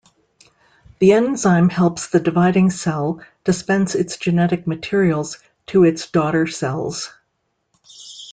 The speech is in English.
The enzyme helps the dividing cell dispense its genetic materials to its daughter cells.